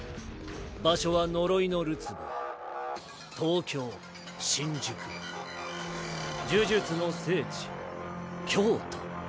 場所は呪いのるつぼ東京・新宿呪術の聖地・京都。